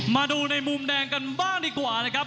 มาดูในมุมแดงกันบ้างดีกว่านะครับ